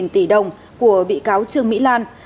một tỷ đồng của bị cáo trương mỹ lan